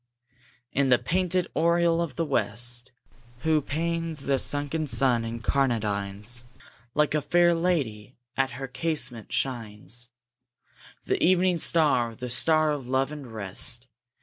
in the painted oriel of the West, Whose panes the sunken sun incarnadines, Like a fair lady at her casement, shines The evening star, the star of love and rest!